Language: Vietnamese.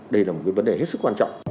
đây là một vấn đề rất quan trọng